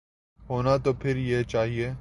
ہونا تو پھر یہ چاہیے۔